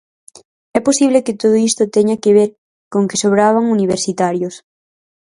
É posible que todo isto teña que ver con que sobraban universitarios.